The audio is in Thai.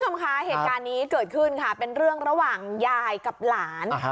โทษครับค่ะเหตุการณ์นี้เกิดขึ้นเป็นเรื่องระหว่างยายกับหลาน